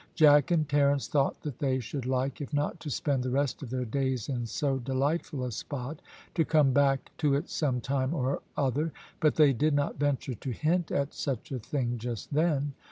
Jack and Terence thought that they should like, if not to spend the rest of their days in so delightful a spot, to come back to it some time or other; but they did not venture to hint at such a thing just then.